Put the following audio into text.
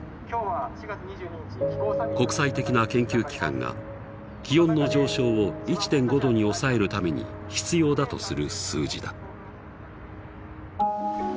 国際的な研究機関が気温の上昇を１．５℃に抑えるために必要だとする数字だ。